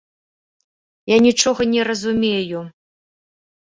Я нічога не разумею!